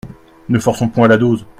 Ne forçons point la dose.